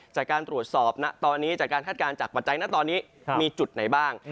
จากการตรวจสอบตอนนี้จากการคาดการณ์จากปัจจัยนะตอนนี้มีจุดไหนบ้าง